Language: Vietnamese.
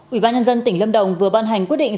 ủy ban nhân dân tỉnh lâm đồng vừa ban hành quyết định